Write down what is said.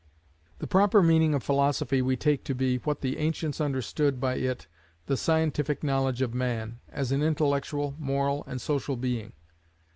The proper meaning of philosophy we take to be, what the ancients understood by it the scientific knowledge of Man, as an intellectual, moral, and social being.